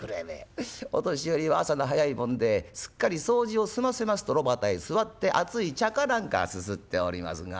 お年寄りは朝の早いもんですっかり掃除を済ませますと炉端へ座って熱い茶かなんかすすっておりますが。